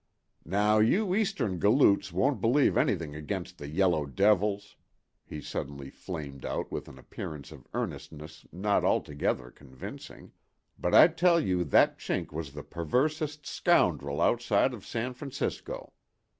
"Now you Eastern galoots won't believe anything against the yellow devils," he suddenly flamed out with an appearance of earnestness not altogether convincing, "but I tell you that Chink was the perversest scoundrel outside San Francisco.